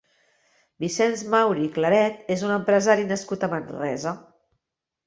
Vicenç Mauri i Claret és un empresari nascut a Manresa.